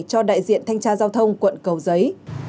cho đại diện thanh tra giao thông quận cầu giấy